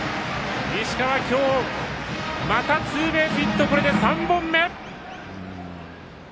石川、今日またツーベースヒットこれで３本目！